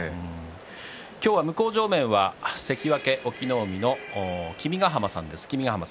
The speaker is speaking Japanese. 向正面は関脇隠岐の海の君ヶ濱さんです。